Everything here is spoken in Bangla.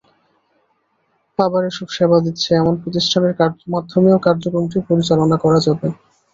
আবার এসব সেবা দিচ্ছে, এমন প্রতিষ্ঠানের মাধ্যমেও কার্যক্রমটি পরিচালনা করা যাবে।